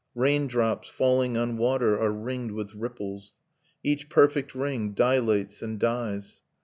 Raindrops, falling on water, are ringed with ripples : Each perfect ring dilates and dies.